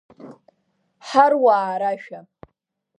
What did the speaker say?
Ҳаруаа рашәа…